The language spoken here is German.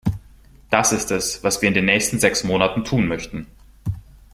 Das ist es, was wir in den nächsten sechs Monaten tun möchten.